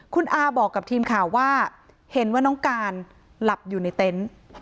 คุณอาบอกกับทีมข่าวว่าเห็นว่าน้องการหลับอยู่ในเต็นต์